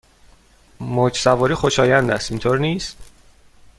موج سواری خوشایند است، اینطور نیست؟